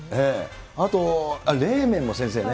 あと、冷麺も先生ね。